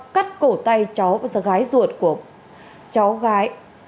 cắt cổ tay chó gái ruột của chó gái